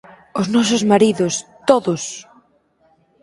Os nosos maridos, todos!